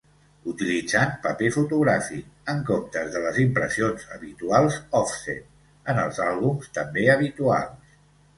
Utilitzant paper fotogràfic, en comptes de les impressions habituals òfset, en els àlbums també habituals.